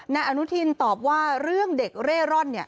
นายอนุทินตอบว่าเรื่องเด็กเร่ร่อน